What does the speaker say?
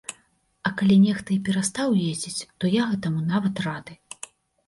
А калі нехта і перастаў ездзіць, то я гэтаму нават рады.